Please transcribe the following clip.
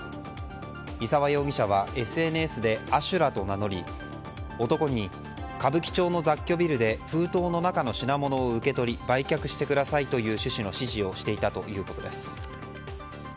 伊沢容疑者はＳＮＳで阿修羅と名乗り男に、歌舞伎町の雑居ビルで封筒の中の品を受け取り売却してくださいという趣旨の指示をしていたということです。